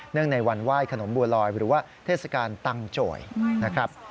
ในวันไหว้ขนมบัวลอยหรือว่าเทศกาลตังโจยนะครับ